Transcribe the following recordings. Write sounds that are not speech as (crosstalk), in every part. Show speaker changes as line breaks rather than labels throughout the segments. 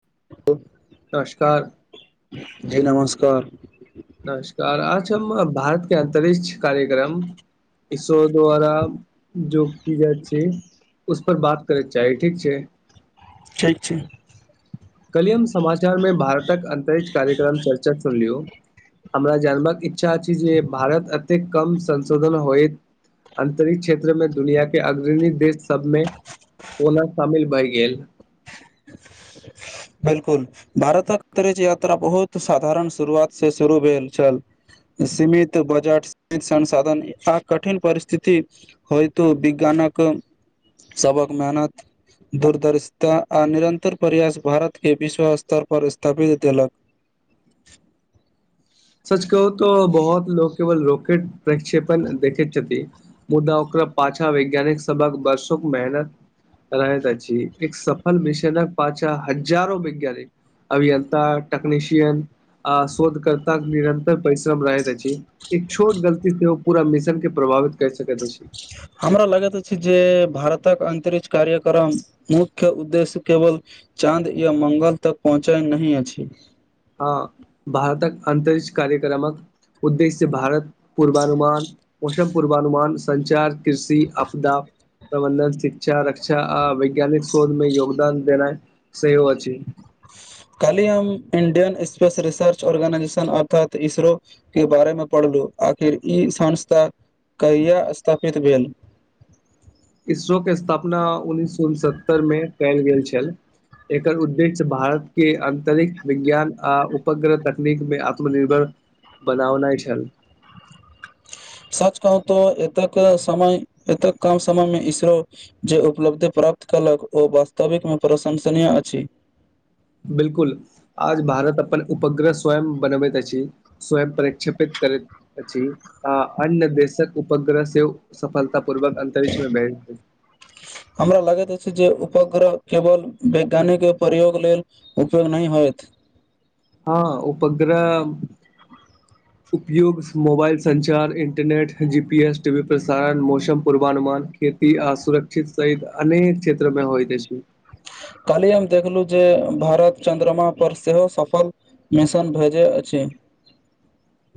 (unintelligible)
नमस्कार।
कार।
नमस्कार, आज हम भारत के अन्तरिक्ष कार्यक्रम। इसरो द्वारा जो, की जाय छै। उस पर बात करै चाही, ठीक छै।
ठीक छै।
कल्हि हम समाचार में भारतक अंतरिक्ष कार्यक्रम चर्चा सुनलियौ। हमरा जानबाक इच्छा अछि जे भारत एतेक कम संशोधन होयत। अंतरिक्ष क्षेत्र में दुनिया के अग्रणी देश सबमें। कोना शामिल भए गेल।
(unintelligible) बिल्कुल, भारतक अंतरिक्ष यात्रा बहुत साधारण शुरुआत से शुरू भेल छल। सीमित बजट, सीमित संसाधन आ कठिन परिस्थिति होइतो विज्ञान। नक सबहक मेहनत दूरदर्शिता आ निरन्तर प्रयास भारत। के विश्व स्तर पर स्थापित देलक।
सच कहू तो बहुत लोक केवल रॉकेट प्रक्षेपण देखैत छथिन। मुदा ओकरा पाछा वैज्ञानिक सबहक बरसों के मेहनत। रहैत अछि, एक सफल मिशनक पछा हज़ारों वैज्ञानिक। अभियन्ता, टकनीशियन आ शोधकर। निरंतर परिश्रम रहैत अछि, एक छोट गलती से ओ पूरा मिशन के प्रभावित कै।
हमरा लागत अछी जे। भारतक अंतरिक्ष कार्यक्रम, मुख्य उद्देश्य केवल, चाँद या मंगल तक पहु चाय, नहि अछि।
हँ, भारतक अंतरिक्ष कार्यक्रमक उद्देश्य भारत पूर्वानुमान, मौसम पूर्वानुमान, संचार, कृषि, आपदा, प्रबन्धन शिक्षा, रक्षा, आ वैज्ञानिक शोधमे, योगदान देनाइ सेहो अछि।
कैल्हे हम इंडियन स्पेस रिसर्च, ऑर्गेनाइजेशन, अर्थात इसरो के बारेमे पढ़ आखिर ई संस्था कहिया स्थापित भेल?
इसरोक के स्थापना उन उनसत्तरिमे कयल गेल छल। एकर उद्देश्य, भारत के अंतरिक्ष, विज्ञान आ उपग्रह तकनीक मे, 'आत्मनिर्भर'। बनाउनाय छल।
(inaudible) सच कहू त, एतक समय एते कम समयमे इसरो जे उपलब्धि प्रा प्राप्त कयलक, ओ वास्तविकमे प्रशंसनीय अछि!
'बिलकुल' आज भारत अपन उपग्रह स्वयं बनबैत अछी। स्वयं प्रक्षेपित करैत अछी, आ अन्य देशक उपग्रह सेहो सफलता पूर्वक अंतरिक्षमे भेज दू।
हमरा लगैत अछि जे उपग्रह केवल वैज्ञानिक प्रयोग लेल, उपयोग नहि होयत।
हँ, उपग्रह! उपयोग, मोबाइल संचार, इन्टरनेट, जीपीएस, टीवी प्रसारण, मौसम पूर्वानुमान के चुकी आ सुरक्षित सहित अनेक क्षेत्रमे होइत अछि।
(inaudible) काल्हि हम देखलहुँ जे, भारत चन्द्रमा पर, सेहो सफल मिशन भेजै अछि। (inaudible)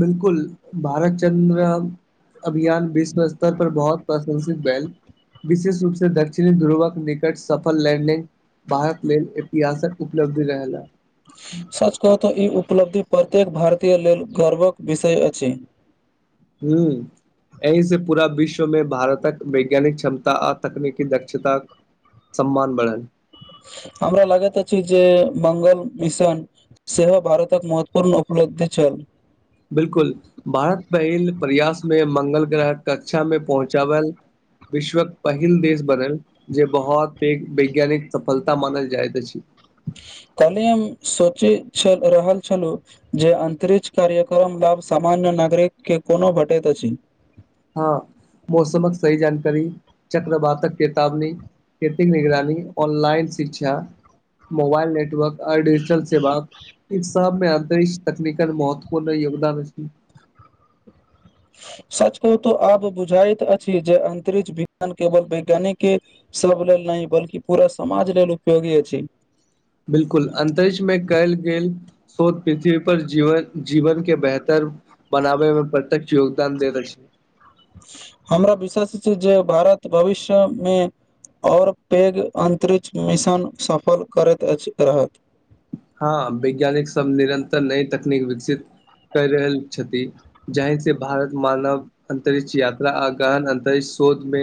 'बिल्कुल' भारत चन्द्रयान अभियान, विश्व स्तर पर बहुत प्रशंसित भैल। विशेष रूप से दक्षिणी ध्रुवक निकट, सफल लैंडिंग भारत लेल, ऐतिहासक उपलब्धि रहै ल।
सच कहू तऽ ई उपलब्धि पर प्रत्येक भारतीय लेल गौर्वक विषय अछि।
हूं। एहि से पूरा विश्वमे, भारतक वैज्ञानिक क्षमता, आ तकनीकी दक्षता सम्मान बढ़ल।
हमरा लागैत अछि जे, मंगल मिशन, सेहो भारतक महत्वपूर्ण उपलब्धि छल।
'बिल्कुल' भारत पहिल प्रयासमे मंगल ग्रह कक्षामे पहुँचबल विश्वक पहिल देश बनल, जे बहोत पैघ वैज्ञानिक सफलता मानल जाइत अछि।
(inaudible) कल्हि हम सोचै छल रहल छलहुँ, जे अन्तरिक्ष कार्यक्रम लाभ समा सामान्य नागरिक के कोनो भेटैत अछि।
हँ मौसमक सही जानकारी चक्रवातक चेतावनी, खेती निगरानी, ऑनलाइन शिक्षा मोबाइल नेटवर्क, अ डिजिटल सेवा इ सबमे अंतरिक्ष तकनीकल, महत्वपूर्ण योगदान अछि।
सच कहु तो आब बुझाइत अछि जे, अंतरिक्ष विज्ञान केवल वैज्ञानिक के सब लेल नहि! बल्कि पूरा समाज लेल उपयोगी अछि।
बिल्कुल, अंतरिक्ष में कैल गेल शोध पृथ्वी पर जीवक, जीवन के बेहतर। बनाबै में प्रत्यक्ष योगदान देैत अछि।
से जे भारत भविष्य में। और पैघ अन्तरिक्ष मिशन सफल करैत अछि रहत।
हां वैज्ञानिक सब निरन्तर नई तकनीक विकसित। कय रहल छथि, जहि से भारत मानव अन्तरिक्ष यात्रा आ गहन अन्तरिक्ष। शोध में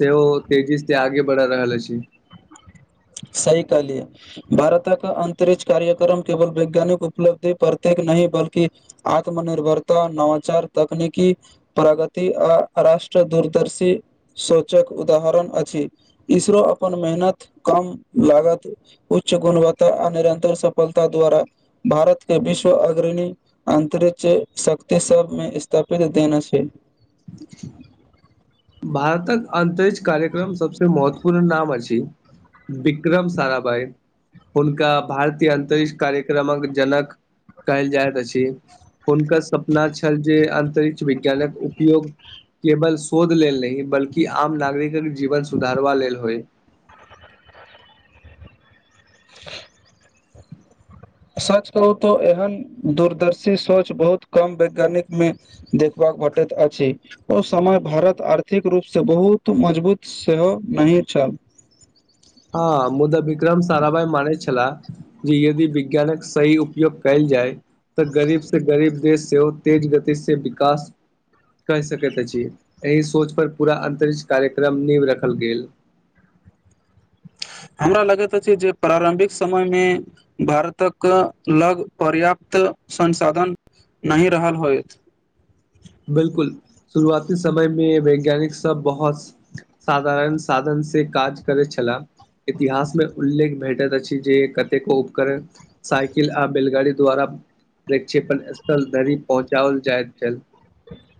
सेहो तेजी से आगे बढ़ा रहल अछि।
(inaudible) सही कहलिए, भारतक अंतरिक्ष कार्यक्रम केवल वैज्ञानिक उपलब्धि प्रत्येक। नहि बल्कि आत्मनिर्भरता, नवाचार, तकनीकी प्रगति आ राष्ट्र। दूरदर्शी सोचक उदाहरण अछि, इसरो अपन मेहनत कम। लागत उच्च गुणवत्ता आ निरन्तर सफलता द्वारा भारत के विश्व अग्र। णी अंतरिक्ष शक्ति सबमें स्थापित देना छै। (inaudible)
भारतक अन्तरिक्ष कार्यक्रम सबसे महत्वपूर्ण नाम अछि। विक्रम साराभाई। हुनका भारतीय अन्तरिक्ष कार्यक्रमक जनक। कहल जाइत अछि, हुनकर सपना छल जे आंतरिक। विज्ञानक उपयोग केवल शोध लेल। नहि बल्कि, आम नागरिकक जीवन सुधारबा लेल होइ।
(inaudible) सच कहु त एहन दूरदर्शी सोच बहुत कम वैज्ञानिक में देखबा। भेटैत अछि, ओ समय भारत आर्थिक रूपसे बहुत मजबूत सेहो नहि। छल।
हां, मुदा विक्रम सारा भाइ मानै छलाह जे यदि विज्ञानक सही उपयोग कैल। जाइ तऽ गरीब से गरीब देश सेहो तेज गति से विकास। कह सकैत अछि, एहि सोच पर पूरा अन्तरिक्ष कार्यक्रम नीव रखल गेल।
(inaudible) हमरा लगैत अछि जे प्रारम्भिक समय में भारतक लग पर्याप्त। त संसाधन नहि रहल होयत।
बिल्कुल, शुरुआती समय में वैज्ञानिक सब बहुत साधारण साधन। से काज करै छला। इतिहास में उल्लेख भेटैत अछि जे कतेको उपकरण साइकिल आ बैलगाड़ी द्वारा। प्रक्षेपण स्थल धरी पहुँचावल जाय छै।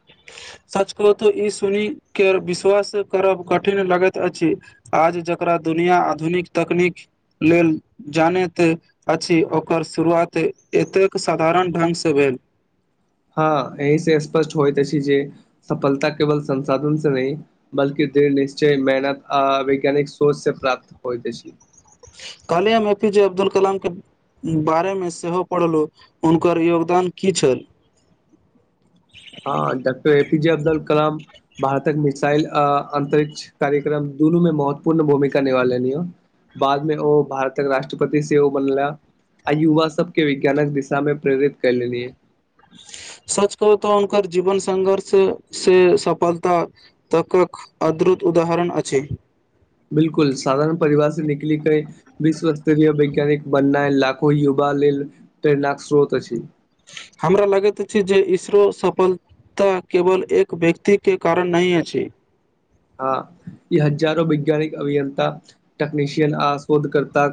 (unintelligible) सच कहू तो, ई सुनि कर विश्वास करब कठिन लगैत अछि आज जकरा। दुनिया आधुनिक तकनीक लेल जानैत अछि ओकर शुरुआत। एतेक साधारण ढंग से भेल।
हँ एहि से स्पष्ट होइत अछि जे सफलता केवल संसाधन से नहि बल्कि। दृढ़ निश्चय, मेहनत आ वैज्ञानिक सोच से प्राप्त होइत अछी।
कल्हिय हम ए पी जेे अब्दु कलाम के। बारे में सेहो पढ़लहुँ, हुनकर योगदान की छल?
हँ जत्ते। जे अब्दुल कलाम भारतक मिसाइल आ अन्तरिक्ष कार्यक्रम दुनूमें महत्वपूर्ण भूमिका। करवाला हो, बादमें ओ भारतक राष्ट्रपति सेहो बनला। आ युवा सबके विज्ञानक दिशा में प्रेरित कर लेलियै।
स्स्स्सस। सच कहू तऽ हूनकर जीवन संघर्ष से सफलता तक अद्रुत। त उदाहरण अछि।
बिल्कुल, साधारण परिवार से निकल कई विश्वस्तरीय वैज्ञानिक बननाय लाखो युवा। लेल प्रेरणा के श्रोत अछि।
हमरा लगैत अछि जे इसरो सफल। ता केवल एक व्यक्ति के कारण नहि अछि।
आ ई हजारो वैज्ञानिक, अभियन्ता, टेकनिशियन आ शोधकर्ता।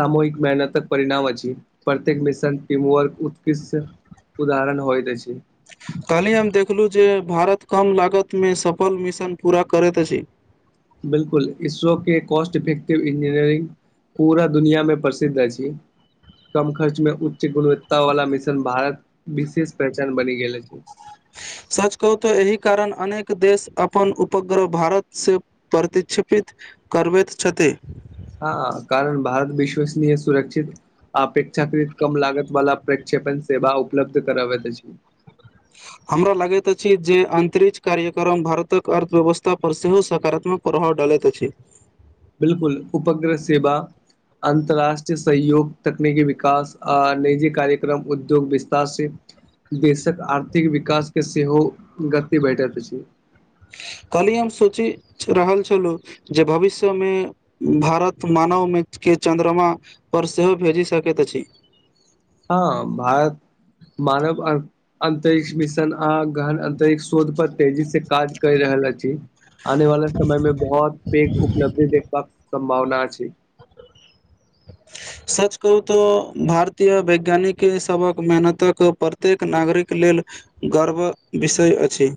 सामूहिक मेहनतक परिणाम अछि। प्रत्येक मिशन टीमवर्क उत्कृष्ट। उदाहरण होइत अछि।
काल्हि हम देखलहुँ जे भारत कम लागत में सफल मिशन पूरा करैत अछि।
बिल्कुल, इसरो के कॉस्ट इफेक्टिव इंजीनियरिंग। पूरा दुनिया में प्रसिद्ध अछि। कम खर्च में उच्च गुणवत्ता वाला मिशन भारत विशेष पहचान बनि गेल अछि।
स्स्स। सच कहू तऽ एहि कारण अनेक देश अपन उपग्रह भारत से प्रतिक्षेपित। करबैत छथि।
हँ कारण भारत विश्वसनीय सुरक्षित। अपेक्षाकृत कम लागत वला प्रक्षेपण सेवा उपलब्ध कराबत अछि।
ह्ह्ह्। हमरा लागैत अछि जे अंतरिक्ष कार्यक्रम भारतक अर्थव्यवस्था पर सेहो सकारात्मक प्रभाव डाल। लैत अछि।
बिल्कुल, उपग्रह सेवा। अन्तर्राष्ट्रीय सहयोग, तकनिकी विकास आ निजी कार्यक्रम उद्योग विस्तार से। देशक आर्थिक विकासके सेहो गति भेटैत अछि।
(inaudible) कल्हि हम सोचि रहल छलहुँ, जे भविष्य में भारत मानव में। के चन्द्रमा पर सेहो भेजि सकैत अछि।
हँ भारत। मानव अन्तरिक्ष मिशन आ गहन अंतरिक्ष शोध पर तेजी से काज कर रहल। रहल अछि। आने वाला समय में बहुत पैध उपलब्धि देखबाक सम्भावना अछि।
(unintelligible) सच कहू तऽ भारतीय वैज्ञानिक सबहक मेहनतक प्रत्येक नागरिक लेल। गर्व विषय अछि।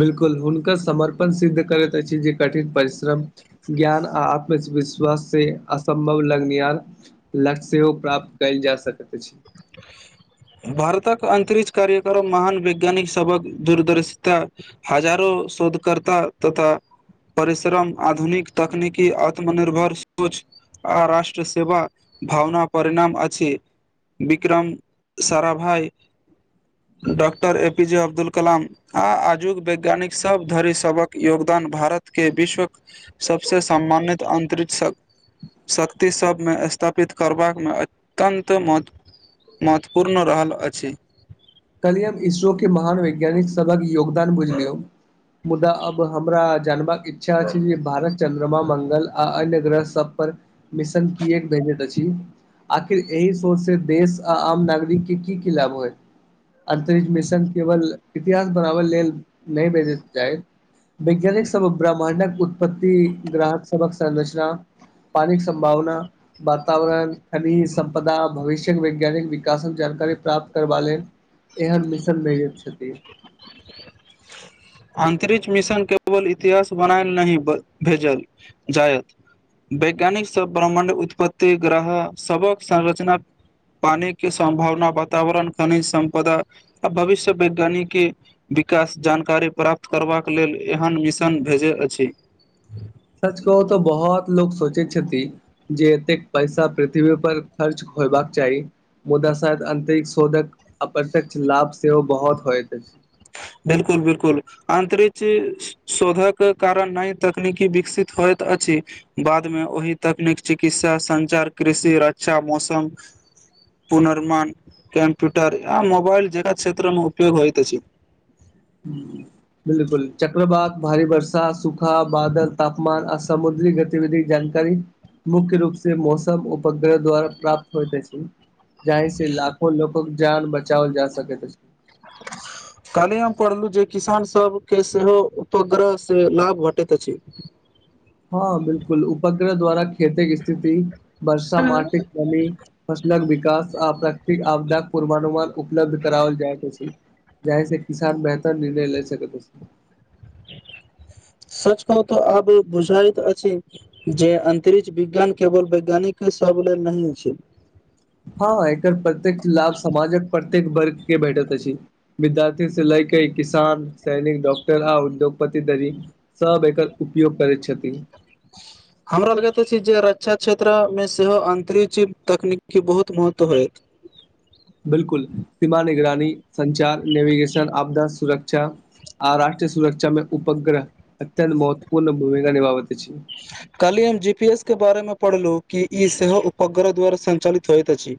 बिल्कुल, हुनकर समर्पण सिद्ध करैत अछि जे कठिन परिश्रम ज्ञान आ आत्म। विश्वास से असम्भव लगनिहार लक्ष्य सेहो प्राप्त कयल जा सकैत अछि।
(inaudible) भारतक अंतरिक्ष कार्यक्रम महान वैज्ञानिक सभक दूरदर्शित हज़ारों। शोधकर्ता तथा। परिश्रम, आधुनिक तकनीकी, आत्मनिर्भर सोच। आ राष्ट्र सेवा भावना परिणाम अछि। Vikram Sarabhai. Doctor A P J Abdul Kalam आ आजुग वैज्ञानिक सभ धरि सभक योगदान। भारत के विश्वक सबसे सम्मानित अन्तरिक्ष। शक्ति सबमें स्थापित करबाकमें अत्यन्त महत्वपू। महत्वपूर्ण रहल अछि।
कल्हि हम इसरो के महान वैज्ञानिक सभहक योगदान बुझलियो। मुदा अब हमरा। जानबाक इच्छा अछि जे भारत चन्द्रमा, मंगल आ अन्य ग्रह सब पर मिशन की एक। आखिर एहि सोच से देश आ आम नागरिक के की-की लाभ होइ। अंतरिक्ष मिशन केवल इतिहास बनाबल लेल नहि भेजत जाइत। वैज्ञानिक सबहक ब्राह्मण्डक उत्पत्ति, ग्रहक सबहक संरचना। पानिक संभावना, वातावरण, खनिज संपदा, भविष्ययक वैज्ञानिक विकासक ज। री प्राप्त करबा लेले एहन मिशन नइ छथि।
अंतरिक्ष मिशन केवल इतिहास बनायल नहि भेजल जायत। वैज्ञानिक सभ ब्रह्मण्ड उत्पत्ति, ग्रह सभक संरचना। पानि के संभावना वातावरण खनिज संपदा आ भविष्य वैज्ञानिक के। विकास जानकारी प्राप्त करबाक लेल, एहन मिशन भेजै अछि।
सच कहू तऽ बहुत लोग सोचै छथि जे एतेक पैसा पृथ्वी पर खर्च। होयबाक चाही। मुदा शायद अंतरिक शोधक अप्रत्यक्ष लाभ सेहो बहुत होइयत अछि।
(inaudible) बिल्कुल, बिल्कुल अंतरिक्ष शोधक कारण नई तकनीकी विकसित होइत अछि। बादमें ओहि तकनीक, चिकित्सा, संचार, कृषि, रक्षा, मौसम। पुनर्मण कम्प्यूटर आ मोबइल जेका क्षेत्रमें उपयोग होइत अछि।
ह। बिल्कुल, चक्रवात, भारी वर्षा, सूखा, बादल, तापमान आ समुद्री गतिविधि ज। मुख्य रूप से मौसम उपग्रह द्वारा प्राप्त होइत अछि। जहि से लाखो लोकक जान बचाओल जा सकैत अछी।
(unintelligible) काल्हि हम पढ़लहुँ, जे किसानसभके सेहो उपग्रह से लाभ भेटैत अछि।
हँ बिल्कुल, उपग्रह द्वारा खेती के स्थिति। वर्षा, माटी के नमी, फसलक विकास आ प्राकृतिक आपदाक पूर्वानुमान। उपलब्ध कराओल जायत अछी। जाहि से किसान बेहतर निर्णय ले सकैत अछि।
सच कहू तऽ आब बुझायत अछि जे अंतरिक्ष विज्ञान केवल वैज्ञानिक। क ब नहि छै।
हँ, एकर प्रत्येक्ष लाभ समाजक। प्रत्येक वर्ग के भेटैत अछि, विद्यार्थी से लय क किसान सैनिक, डॉक्टर आ उद्योग। उपत्ति दरी सब एकर उपयोग करैत छथिन।
(inaudible) हमरा लगैत अछि जे रक्षा क्षेत्रमें सेहो अन्तरिक्ष तकनीक के बहुत महत्व होयत। (inaudible)
नी संचार, नेविगेशन, आपदा सुरक्षा। आ राष्ट्रीय सुरक्षा में उपग्रह अत्यंत महत्वपूर्ण भूमिका निभाबैत अछि।
(inaudible) कल्हि हम जी पी एस के बारे में पढ़लु कि ई सेहो उपग्रह द्वारा संचालित होइत अछि।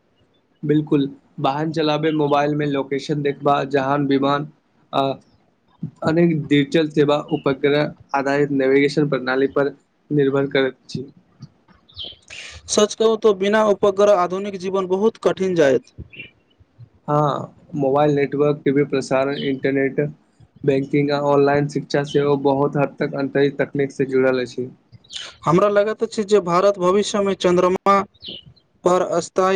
बिल्कुल वाहन चलाबे, मोबाइल में लोकेशन देखबा, जहान, बिमान। आ। अनेक डिजिटल सेवा, उपग्रह आधारित नेविगेशन प्रणाली पर निर्भर करैत छै।
(inaudible) सच कहू त बिना उपग्रह आधुनिक जीवन बहुत कठिन जाएत
हां मोबाइल नेटवर्क के भी प्रसारण इंटरनेट बैंकिंग आ ऑनलाइन शिक्षा सेहो बहुत हद तक अन्तरिक्ष तकनीक से जुड़ल अछि।
हमरा लगैत अछि जे भारत भविष्य मे चन्द्रमा पर स्थायी